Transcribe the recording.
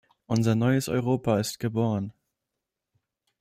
Unser neues Europa ist geboren.